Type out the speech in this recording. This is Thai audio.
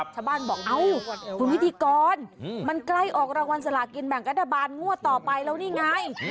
ชาวบ้านบอกเอ้าคุณพิธีกรมันใกล้ออกรางวัลสลากินแบ่งรัฐบาลงวดต่อไปแล้วนี่ไง